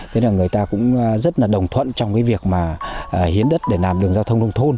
thế là người ta cũng rất là đồng thuận trong cái việc mà hiến đất để làm đường giao thông nông thôn